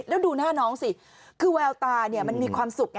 แล้วดูหน้าน้องสิคือแววตามันมีความสุขไง